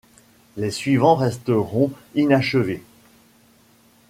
Les suivants resteront inachevés.